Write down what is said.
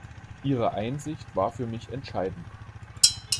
Ihre Einsicht war für mich entscheidend.